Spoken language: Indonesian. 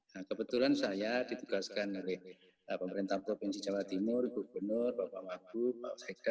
nah kebetulan saya ditugaskan oleh pemerintah provinsi jawa timur gubernur bapak wagub pak sekda